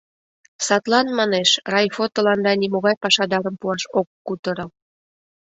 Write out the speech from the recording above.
Садлан, манеш, райфо тыланда нимогай пашадарым пуаш ок кутыро.